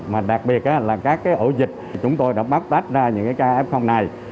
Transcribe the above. mà đặc biệt là các cái ổ dịch chúng tôi đã bắt tách ra những cái ca ép không này